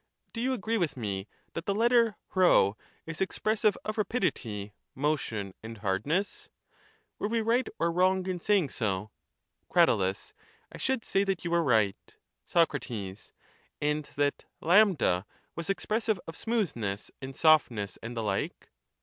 Do you agree with me that the letter p is expressive of rapidity, motion, and hard ness? Were we right or wrong in saying so? Crat. I should say that you were right. Soc. And that A was expressive of smoothness, and soft ness, and the Hke?